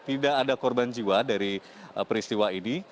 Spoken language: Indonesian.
tidak ada korban jiwa dari peristiwa ini